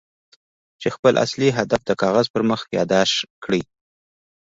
چې خپل اصلي هدف د کاغذ پر مخ ياداښت کړئ.